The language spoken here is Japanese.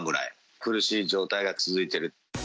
苦しい状態が続いている。